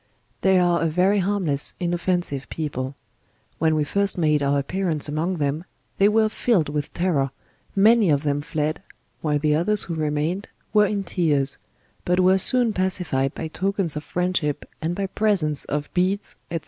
They are a very harmless inoffensive people; when we first made our appearance among them, they were filled with ter ror, many of them fled, while the others who remained, were in tears, but were soon pacified by tokens of friendship, and by presents of beads, &c.